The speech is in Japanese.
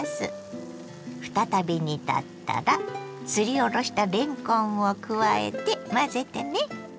再び煮立ったらすりおろしたれんこんを加えて混ぜてね。